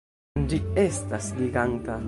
Ĝi estas giganta!